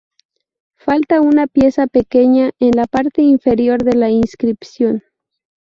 Falta una pieza pequeña en la parte inferior de la inscripción.